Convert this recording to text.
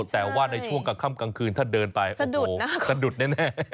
แต่ว่าในช่วงกลางค่ำกลางคืนถ้าเดินไปโอ้โหสะดุดแน่